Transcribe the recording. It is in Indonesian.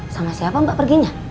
sama siapa mbak perginya